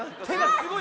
すごい。